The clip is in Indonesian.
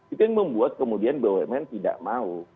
itu yang membuat kemudian bumn tidak mau